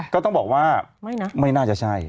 ก็ต้องบอกว่าไม่น่าจะใช่